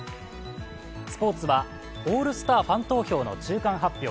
スポーツはオールスターファン投票の中間発表。